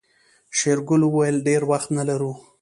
شېرګل وويل ډېر وخت نه لرو.